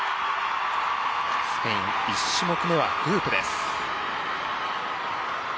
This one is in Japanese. スペイン、１種目めはフープです。